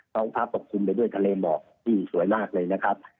ท้องฟ้าปกคลุมไปด้วยทะเลหมอกที่สวยมากเลยนะครับ